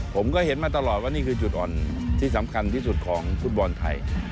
ผมก็เห็นมาตลอดว่านี่คือจุดอ่อนที่สำคัญที่สุดของฟุตบอลไทย